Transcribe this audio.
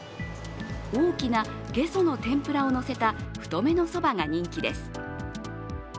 大きなゲソの天ぷらをのせた太めのそばが人気です。